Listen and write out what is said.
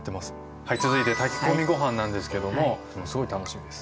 続いて炊き込みご飯なんですけどもすごい楽しみです。